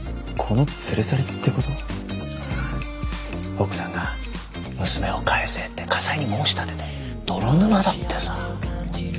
奥さんが「娘を返せ！」って家裁に申し立てて泥沼だってさ。